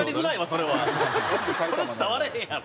それ伝われへんやろ。